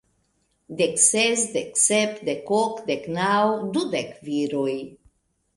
Dek ses, dek sep, dek ok, dek naŭ, dudek viroj!